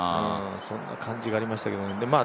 そんな感じがありましたけどね。